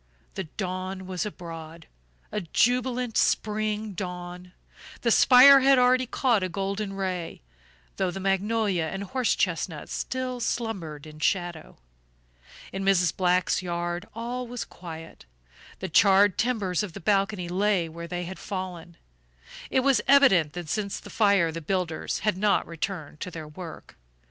The dawn was abroad, a jubilant spring dawn; the spire had already caught a golden ray, though the magnolia and horse chestnut still slumbered in shadow. In Mrs. Black's yard all was quiet. The charred timbers of the balcony lay where they had fallen. It was evident that since the fire the builders had not returned to their work.